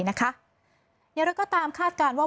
อย่างไรก็ตามคาดการณ์ว่า